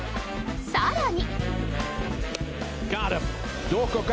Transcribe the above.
更に。